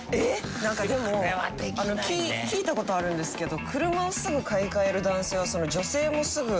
なんかでも聞いた事あるんですけど車をすぐ買い替える男性は女性もすぐ。